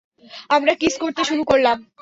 আমরা কিস করতে শুরু করলাম।